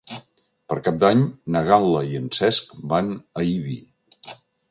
Per Cap d'Any na Gal·la i en Cesc van a Ibi.